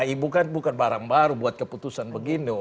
ibu kan bukan barang baru buat keputusan begini